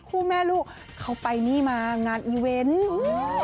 แม่ลูกเขาไปนี่มางานอีเวนต์